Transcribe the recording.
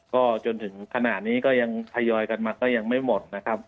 ก็จนถึงขณะนี้ก็ยังทยอยกันมาก็ยังไม่หมดนะครับ